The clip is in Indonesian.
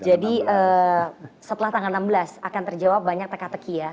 jadi setelah tanggal enam belas akan terjawab banyak teka teki ya